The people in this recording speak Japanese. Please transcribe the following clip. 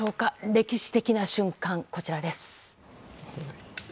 歴史的な瞬間、こちらです。